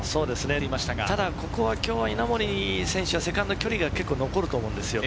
ただここは今日は稲森選手はセカンド距離が残ると思います。